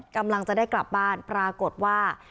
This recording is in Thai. กำลังจะได้กลับบ้านปรากฏว่า